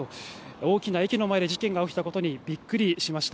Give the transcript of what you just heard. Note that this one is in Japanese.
大きな駅の前で事件が起きたことにびっくりしました。